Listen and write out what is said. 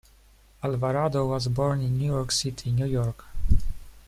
Alvarado was born in New York City, New York.